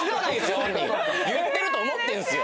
本人言ってると思ってるんすよ